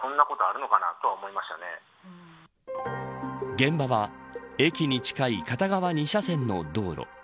現場は、駅に近い片側２車線の道路。